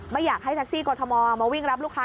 ไม่อยากให้แท็กซี่กรทมมาวิ่งรับลูกค้า